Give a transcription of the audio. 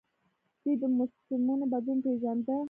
دوی د موسمونو بدلون پیژانده